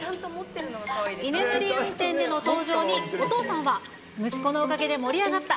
居眠り運転での登場に、お父さんは、息子のおかげで盛り上がった。